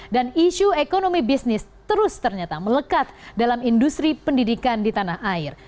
dan isu ekonomi bisnis terus ternyata melekat dalam industri pendidikan di tanah air